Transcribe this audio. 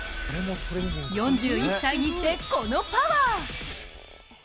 ４１歳にして、このパワー。